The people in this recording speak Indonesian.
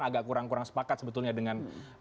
agak kurang kurang sepakat sebetulnya dengan